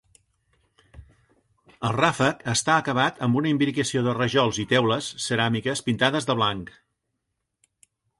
El ràfec està acabat amb una imbricació de rajols i teules ceràmiques pintades de blanc.